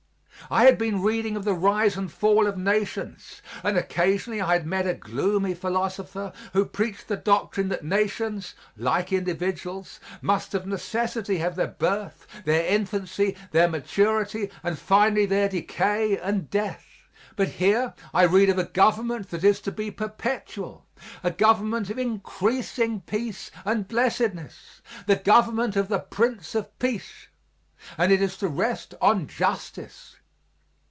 I had been reading of the rise and fall of nations, and occasionally I had met a gloomy philosopher who preached the doctrine that nations, like individuals, must of necessity have their birth, their infancy, their maturity and finally their decay and death. But here I read of a government that is to be perpetual a government of increasing peace and blessedness the government of the Prince of Peace and it is to rest on justice.